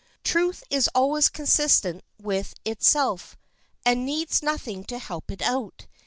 Truth is always consistent with itself, and needs nothing to help it out.